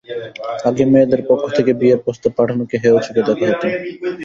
আগে মেয়েদের পক্ষ থেকে বিয়ের প্রস্তাব পাঠানোকে হেয় চোখে দেখা হতো।